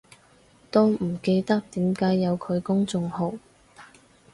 都唔記得點解有佢公眾號